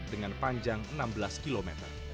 dengan panjang enam belas km